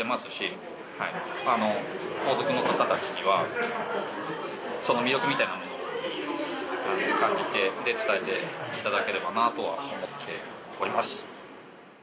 後続の方たちにはその魅力みたいなものを感じて伝えていただければなとは思っております。